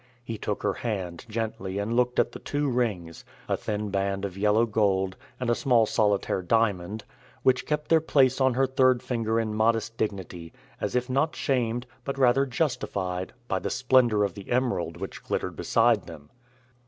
He took her hand gently and looked at the two rings a thin band of yellow gold, and a small solitaire diamond which kept their place on her third finger in modest dignity, as if not shamed, but rather justified, by the splendor of the emerald which glittered beside them.